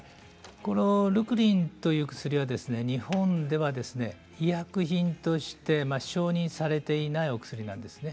このルクリンという薬は日本では医薬品として承認されていないお薬なんですね。